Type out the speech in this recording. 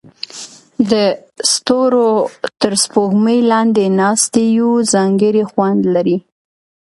د ستورو تر سپوږمۍ لاندې ناستې یو ځانګړی خوند لري.